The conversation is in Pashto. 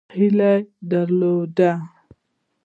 هیله درلوده.